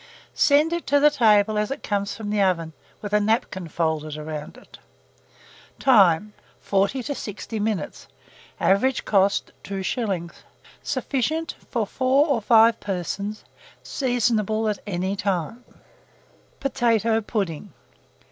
Send it to table as it comes from the oven, with a napkin folded round it. Time. 40 to 60 minutes. Average cost, 2s. Sufficient for 4 or 5 persons. Seasonable at any time. POTATO PUDDING.